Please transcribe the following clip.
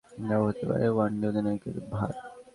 তবে তার পরও আফ্রিদির হাতেই দেওয়া হতে পারে ওয়ানডে অধিনায়কের ভার।